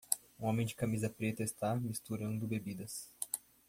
Um homem de camisa preta está misturando bebidas